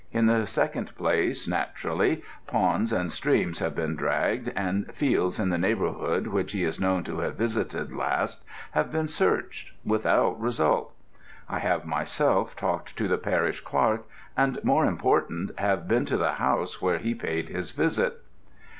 In the second place, naturally, ponds and streams have been dragged, and fields in the neighbourhood which he is known to have visited last, have been searched without result. I have myself talked to the parish clerk and more important have been to the house where he paid his visit.